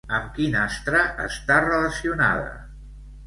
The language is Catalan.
Amb quin astre està relacionada?